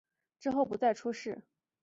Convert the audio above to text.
之后不再出仕。